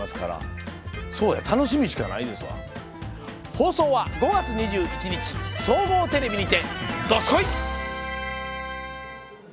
放送は５月２１日総合テレビにて、どすこい！